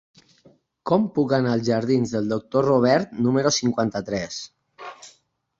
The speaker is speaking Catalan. Com puc anar als jardins del Doctor Robert número cinquanta-tres?